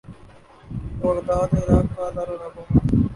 Baghdad Iraq کا دار الحکومت